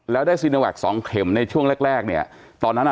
แล้วได้ซีโนแวคสองเข็มในช่วงแรกแรกเนี่ยตอนนั้นอ่ะ